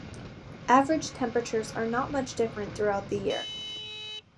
Average temperatures are not much different throughout the year.